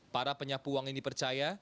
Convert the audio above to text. para penyapu uang ini percaya